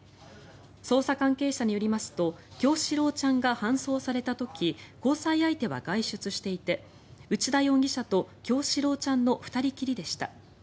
捜査関係者によりますと叶志郎ちゃんが搬送された時交際相手は外出していて内田容疑者と叶志郎ちゃんの２人きりでした。